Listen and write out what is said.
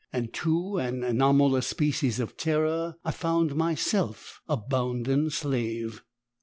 And to an anomalous species of terror I found myself a bounden slave.